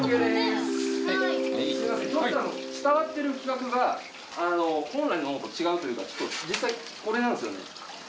伝わってる企画が本来のものと違うというかちょっと実際これなんですよね。